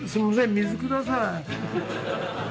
水ください。